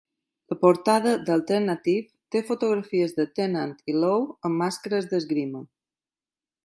La portada d'"Alternative" té fotografies de Tennant i Lowe amb màscares d'esgrima.